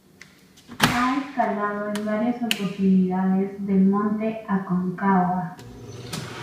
Ha escalado en varias oportunidades del Monte Aconcagua.